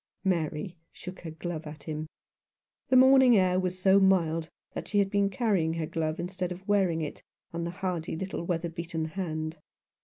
Mary shook her glove at him. The morning air was so mild that she had been carrying her glove instead of wearing it on the hardy little weather beaten hand.